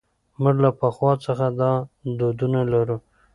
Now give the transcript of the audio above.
موږ له پخوا څخه دا دودونه لرو.